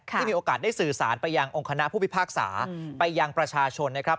ที่มีโอกาสได้สื่อสารไปยังองค์คณะผู้พิพากษาไปยังประชาชนนะครับ